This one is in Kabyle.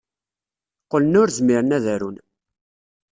Qqlen ur zmiren ad arun.